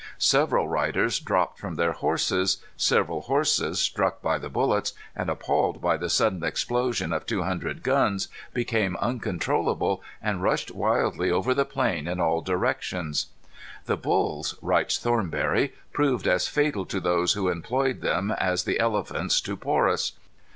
Several riders dropped from their horses. Several horses, struck by the bullets, and appalled by the sudden explosion of two hundred guns, became uncontrollable, and rushed wildly over the plain in all directions. "The bulls," writes Thornbury, "proved as fatal to those who employed them as the elephants to Porus.